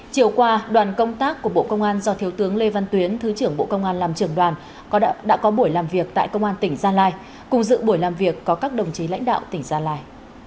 chiều qua đoàn công tác của bộ công an do thiếu tướng lê văn tuyến thứ trưởng bộ công an làm trưởng đoàn đã có buổi làm việc tại công an tỉnh gia lai cùng dự buổi làm việc có các đồng chí lãnh đạo tỉnh gia lai